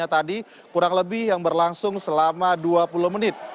tadi kurang lebih yang berlangsung selama dua puluh menit